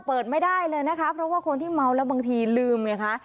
เปิดไม่ได้เลยนะคะเพราะว่าคนที่เมาแล้วบางทีลืมไงคะ